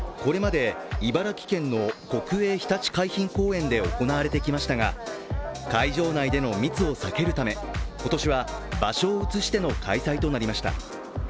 これまで茨城県の国営ひたち海浜公園で行われてきましたが会場内での密を避けるため今年は場所を移しての開催となりました。